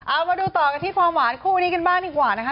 เอามาดูต่อกันที่ความหวานคู่นี้กันบ้างดีกว่านะคะ